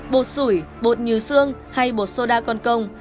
bột sủi bột nhừ xương hay bột soda con công